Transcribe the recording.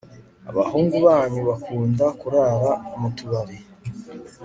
abahungu banyu bakunda kurara mutubari